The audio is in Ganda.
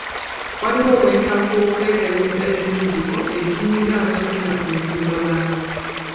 Waliwo obwetaavu bw'okwekaliriza emiziziko eginyiga abasomera ku mutimbagano.